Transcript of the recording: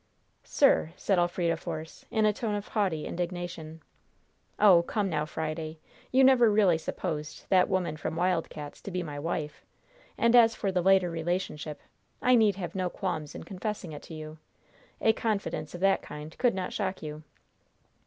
"Sir!" said Elfrida Force, in a tone of haughty indignation. "Oh, come now, Friday, you never really supposed that woman from Wild Cats' to be my wife! And, as for the lighter relationship, I need have no qualms in confessing it to you. A confidence of that kind could not shock you."